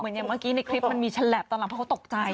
อย่างเมื่อกี้ในคลิปมันมีฉลับตอนหลังเพราะเขาตกใจ